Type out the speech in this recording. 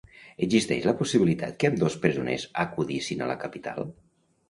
Existeix la possibilitat que ambdós presoners acudissin a la capital?